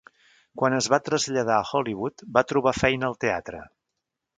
Quan es va traslladar a Hollywood, va trobar feina al teatre.